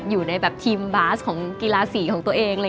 อยู่ในแบบทีมบาสของกีฬาสีของตัวเอง